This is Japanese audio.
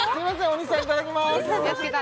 鬼さんいただきます